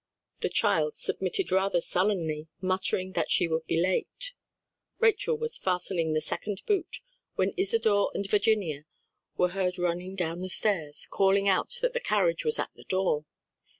The child submitted rather sullenly, muttering that she would be late. Rachel was fastening the second boot, when Isadore and Virginia were heard running down the stairs, calling out that the carriage was at the door.